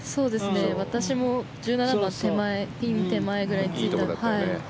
私も１７番ピン手前ぐらいについて。